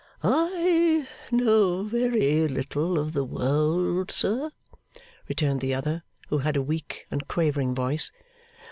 'I know very little of the world, sir,' returned the other, who had a weak and quavering voice.